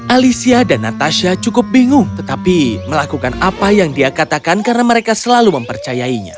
alicia dan natasha cukup bingung tetapi melakukan apa yang dia katakan karena mereka selalu mempercayainya